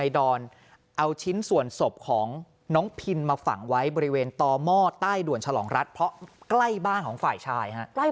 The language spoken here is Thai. ใดค่ะร่อยบ้านตัวเองค่ะ